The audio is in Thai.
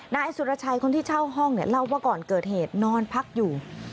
นายสุรชัยคนที่เช่าห้องเนี่ยเล่าว่าก่อนเกิดเหตุนอนพักอยู่